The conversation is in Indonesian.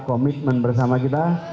komitmen bersama kita